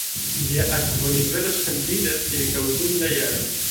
Ĝia akvonivelo ŝanĝiĝas ĉirkaŭ dum la jaro.